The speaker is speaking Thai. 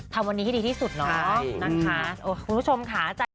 ทำวันนี้ให้ดีที่สุดเนาะนะคะคุณผู้ชมค่ะ